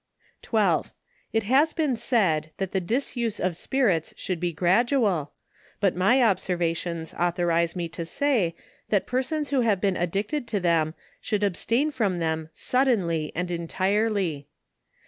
12. It has been said, that the disuse of spirits should be gradual, but my observations authorize me to say, that persons who have been addicted to them, should ab st ain from them suddenly and entirely.